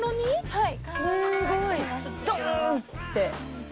はい。